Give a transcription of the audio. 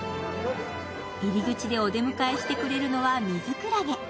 入り口でお出迎えしてくれるのはミズクラゲ。